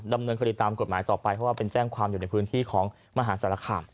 ดำเนินคดีตามกฎหมายต่อไปเพราะว่าเป็นแจ้งความอยู่ในพื้นที่ของมหาศาลคาม